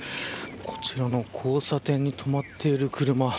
こちらの交差点に止まっている車。